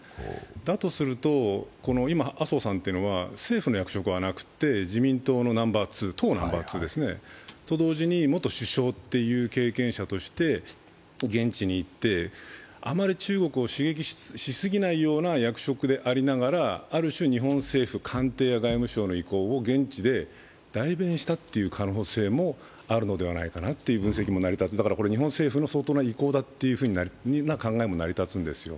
だとすると、今、麻生さんっていうのは政府の役職はなくて自民党のナンバーツー、党のナンバーツーですね。と同時に元首相という経験者として現地に行ってあまり中国を刺激しすぎないような役職でありながら、ある種、日本政府、官邸や外務省の意向を現地で代弁したという可能性もあるのではないかという分析も成り立つ、日本政府の相当な意向だという考えも成り立つんですよ。